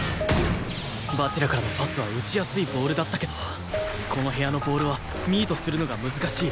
蜂楽からのパスは撃ちやすいボールだったけどこの部屋のボールはミートするのが難しい暴れ球